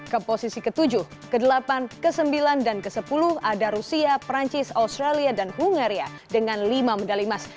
ke posisi ke tujuh ke delapan ke sembilan dan ke sepuluh ada rusia perancis australia dan hungaria dengan lima medali emas